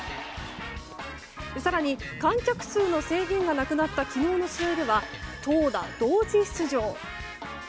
更に、観客数の制限がなくなった昨日の試合では投打同時出場。